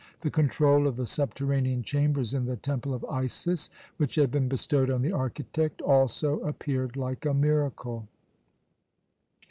The control of the subterranean chambers in the Temple of Isis which had been bestowed on the architect, also appeared like a miracle.